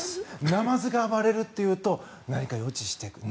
ナマズが暴れるっていうと何を予知しているか。